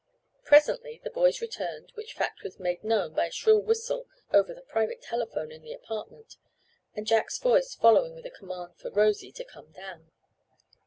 Presently the boys returned, which fact was made known by a shrill whistle over the private telephone in the apartment, and Jack's voice following with a command for "Rosie" to come down.